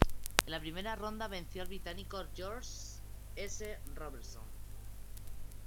En la primera ronda venció al británico George S. Robertson.